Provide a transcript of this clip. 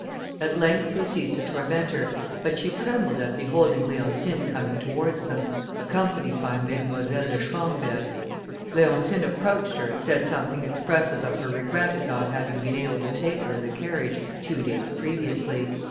At length they ceased to torment her, but she trembled at beholding Leontine coming towards them, accompanied by Mesdemoiselles de Schwamberg. Leontine approached her, and said something expressive of her regret at not having been able to take her in the carriage two days previously.